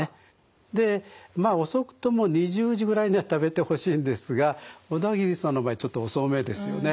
でまあ遅くとも２０時ぐらいには食べてほしいんですが小田切さんの場合ちょっと遅めですよね。